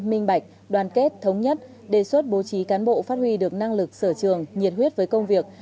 minh bạch đoàn kết thống nhất đề xuất bố trí cán bộ phát huy được năng lực sở trường nhiệt huyết với công việc